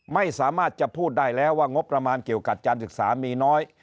ไม่สามารถจะพูดได้แล้วว่างบประมาณเกี่ยวกับการศึกษามีน้อย